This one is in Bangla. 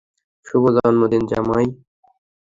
শুভ জন্মদিন, জামাই।